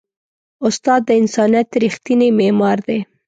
استاد د انسانیت ریښتینی معمار دی.